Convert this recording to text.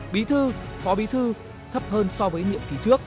bí thư phó bí thư thấp hơn so với nhiệm kỳ trước